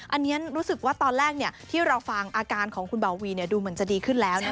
อันนี้รู้สึกว่าตอนแรกที่เราฟังอาการของคุณบาวีดูเหมือนจะดีขึ้นแล้ว